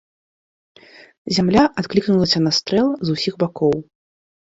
Зямля адклікнулася на стрэл з усіх бакоў.